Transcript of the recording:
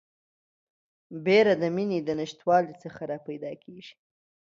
بیره د میني د نشتوالي څخه راپیدا کیږي